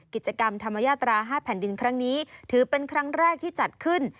กิจกรรมธรรมยาตรา๕แผ่นดินครั้งนี้ถือเป็นครั้งแรกที่จัดขึ้น